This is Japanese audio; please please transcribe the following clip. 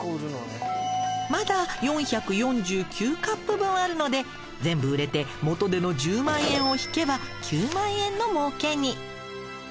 まだ４４９カップ分あるので全部売れて元手の１０万円を引けば９万円のもうけに。